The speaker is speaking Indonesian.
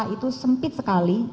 itu sempit sekali